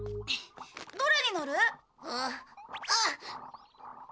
どれに乗る？あっ。